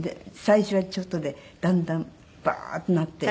最初はちょっとでだんだんバーッとなって。